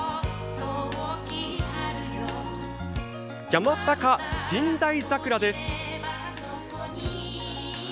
山高神代桜です。